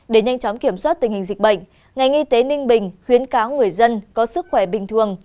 để nhanh chóng kiểm soát tình hình dịch bệnh ngành y tế ninh bình khuyến cáo người dân có sức khỏe bình thường